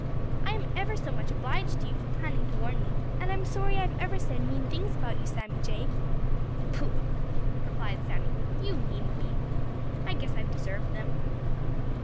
"I am ever so much obliged to you for planning to warn me, and I'm sorry I've ever said mean things about you, Sammy Jay." "Pooh!" replied Sammy. "You needn't be. I guess I've deserved them."